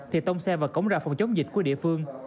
thì tông xe và cống ra phòng chống dịch của địa phương